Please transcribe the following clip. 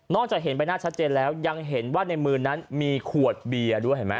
จากเห็นใบหน้าชัดเจนแล้วยังเห็นว่าในมือนั้นมีขวดเบียร์ด้วยเห็นไหม